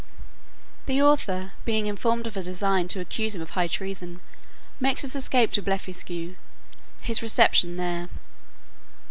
The author, being informed of a design to accuse him of high treason, makes his escape to Blefuscu. His reception there.